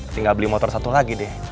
tinggal beli motor satu lagi deh